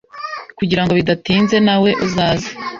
Kugirango bidatinze nawe uzaze